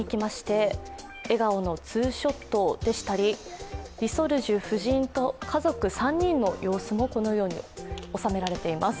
笑顔のツーショットでしたりリ・ソルジュ夫人と家族３人の様子もこのように収められています。